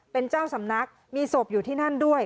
เป็นเจ้าสำนักมีศพอยู่ที่นั่นด้วย